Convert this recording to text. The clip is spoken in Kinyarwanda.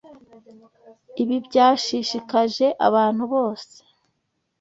Ibi byashishikaje abantu bose.